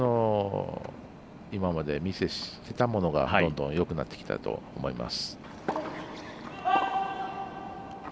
今までミスしてたものがどんどんよくなってきたと思います。